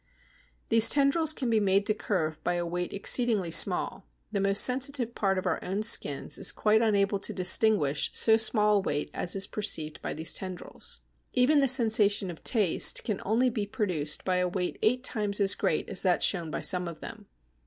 These tendrils can be made to curve by a weight exceedingly small. The most sensitive part of our own skins is quite unable to distinguish so small a weight as is perceived by these tendrils. Even the sensation of taste can only be produced by a weight eight times as great as that shown by some of them.